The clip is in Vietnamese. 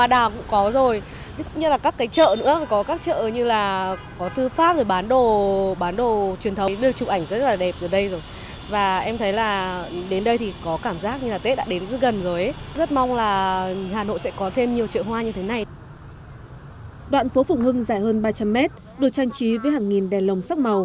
đoạn phố phùng hưng dài hơn ba trăm linh mét được trang trí với hàng nghìn đèn lồng sắc màu